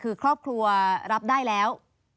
คือครอบครัวรับได้แล้ว